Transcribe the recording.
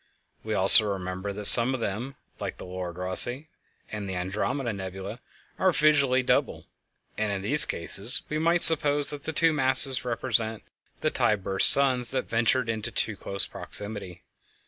We also remember that some of them, like the Lord Rosse and the Andromeda nebulæ, are visually double, and in these cases we might suppose that the two masses represent the tide burst suns that ventured into too close proximity.